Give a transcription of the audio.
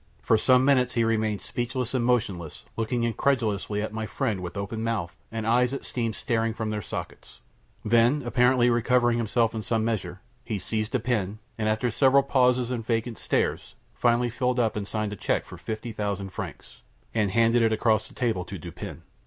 For some minutes he remained speechless and motionless, looking incredulously at my friend with open mouth, and eyes that seemed starting from their sockets; then apparently recovering himself in some measure, he seized a pen, and after several pauses and vacant stares, finally filled up and signed a check for fifty thousand francs, and handed it across the table to Dupin.